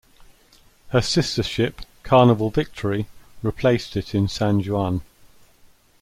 Her sister ship, "Carnival Victory", replaced it in San Juan.